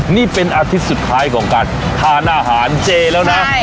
นี่เป็นอาทิตย์สุดท้ายของการทานอาหารเจแล้วนะ